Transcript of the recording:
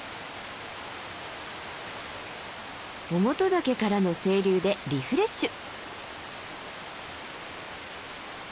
於茂登岳からの清流でリフレッシュ。